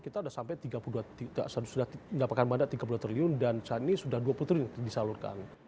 sudah sampai tiga puluh dua triliun sudah mendapatkan bandar tiga puluh dua triliun dan saat ini sudah dua puluh triliun yang disalurkan